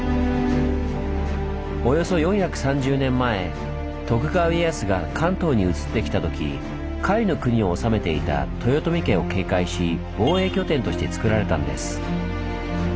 およそ４３０年前徳川家康が関東に移ってきたとき甲斐の国を治めていた豊臣家を警戒し防衛拠点としてつくられたんです。